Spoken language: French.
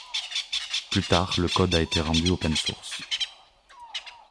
Plus tard le code a été rendu Open source.